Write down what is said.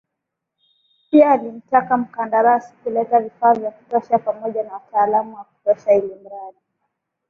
Pia alimtaka mkandarasi kuleta vifaa vya kutosha pamoja na wataalamu wa kutosha ili mradi